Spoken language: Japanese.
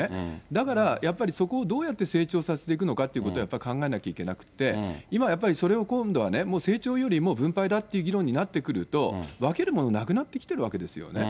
だからやっぱり、そこをどうやって成長させていくのかっていうのをやっぱり考えなきゃいけなくって、今はやっぱり、それを今度はね、もう成長よりも分配だって議論になってくると、分けるものなくなってきてるわけですよね。